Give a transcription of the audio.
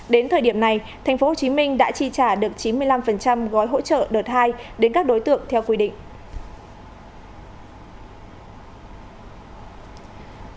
đến thời điểm này tp hcm đã chi trả được chín mươi năm gói hỗ trợ đợt hai đến các đối tượng theo quy định